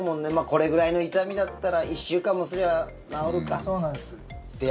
これぐらいの痛みだったら１週間もすれば治るかって。